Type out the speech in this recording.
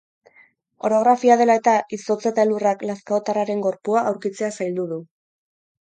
Orografia dela eta, izotza eta elurrak lazkaotarraren gorpua aurkitzea zaildu du.